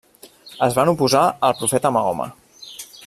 Es van oposar al profeta Mahoma.